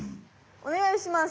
おねがいします！